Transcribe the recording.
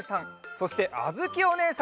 そしてあづきおねえさんのえ！